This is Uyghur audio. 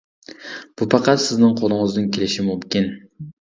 بۇ پەقەت سىزنىڭ قولىڭىزدىن كېلىشى مۇمكىن.